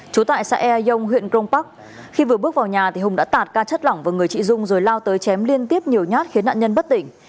trú tại xã e yông huyện grong park khi vừa bước vào nhà hùng đã tạt ca chất lỏng vào người chị dung rồi lao tới chém liên tiếp nhiều nhát khiến nạn nhân bất tỉnh